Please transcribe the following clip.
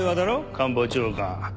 官房長官。